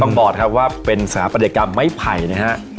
ต้องบอกครับว่าเป็นสหประเด็นกรรมไม้ไผ่นะครับ